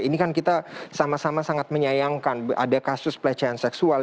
ini kan kita sama sama sangat menyayangkan ada kasus pelecehan seksual